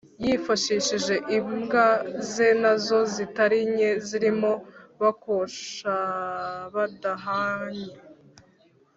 yifashishije imbwa ze na zo zitari nke, zirimo Bakoshabadahannye